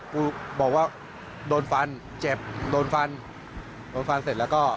กูบอกว่าโดนฟันเจ็บโดนฟันโดนฟันเสร็จแล้วก็